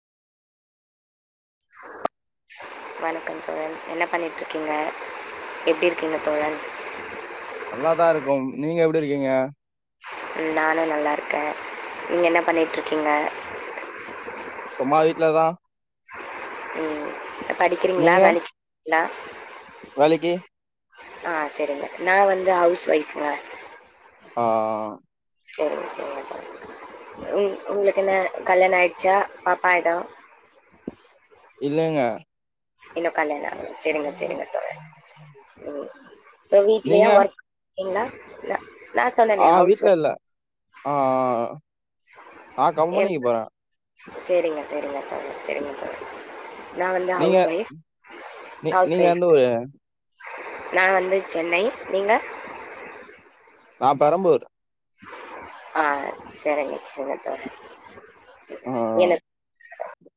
வணக்கம் தோழன் என்ன பண்ணிட் இருக்கீங்க எப்டி இருக்கீங்க தோழன் நல்லாதா இருக்கும் நீங்க எப்டி இருக்கீங்க ம் நானு நல்லா இருக்க நீங்க என்ன பண்ணிட்டு இருக்கீங்க சும்மா வீட்லதான் ம் படிக்கிறீங்களா வேலைக்கு ல வேளைக்கு ஆஹ் சேரிங்க நா வந்து ஹவுஸ் வைஃப்ங்க ஆ சேரிங்க சேரிங்க தோழன் உ உங்களுக்கு என்ன கல்யாண ஆயிடுச்சா பாப்பா எத இல்லங்கா இன்னு கல்லயாண சேரிங்க சேரிங்க தோழன் இப்ப நீங்க வீட்லயா ஒர்க் [unintelligible] சொன்னேனே ஆ ஹவுஸ் வீட்டுல ஒய்ஃப் இல்ல ஆ ஆ நா கம்பனிக்கி போற செரிங்க செரிங்க தோழர் செரிங்க தோழர் நான் வந்து நீங்க ஹவுஸ் ஒய்ஃப் நீ நீங்க வந்து ஒரு நா வந்து சென்னை நீங்க நா பெரம்பூர் ஆ சேரிங்க சேரிங்க தோழன் ஆ எனக்